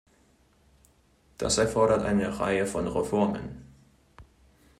Das erfordert eine Reihe von Reformen.